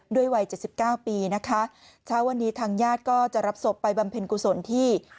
ด้วยวัยเจ็ดสิบเก้าปีนะคะถ้าวันนี้ทางญาติก็จะรับศพไปบำเพ็ญกุศลที่